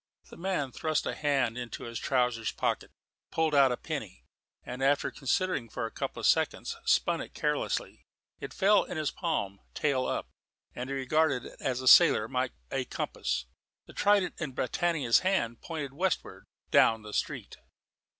The man thrust a hand into his trousers pocket, pulled out a penny, and after considering for a couple of seconds, spun it carelessly. It fell in his palm, tail up; and he regarded it as a sailor might a compass. The trident in Britannia's hand pointed westward, down the street.